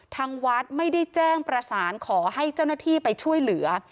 ทางวัดไม่ได้แจ้งประสานขอให้เจ้าหน้าที่ไปช่วยเหลือ